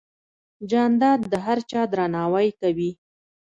جانداد د هر چا درناوی کوي.